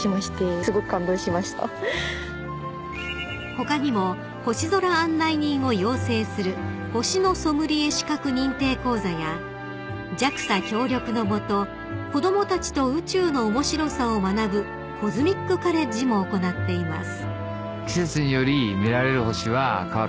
［他にも星空案内人を養成する星のソムリエ資格認定講座やＪＡＸＡ協力の下子供たちと宇宙の面白さを学ぶコズミックカレッジも行っています］